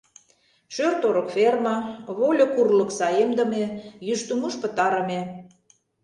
Шӧр-торык ферма, вольык урлык саемдыме, йӱштымуж пытарыме...